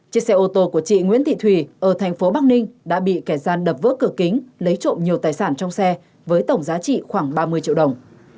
chiếc xe ô tô của chị nguyễn thị thùy ở thành phố bắc ninh đã bị kẻ gian đập vỡ cửa kính lấy trộm nhiều tài sản trong xe với tổng giá trị khoảng ba mươi triệu đồng